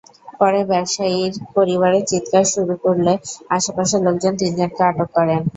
পরে ব্যবসায়ীর পরিবার চিৎকার শুরু করলে আশপাশের লোকজন তিনজনকে আটক করেন।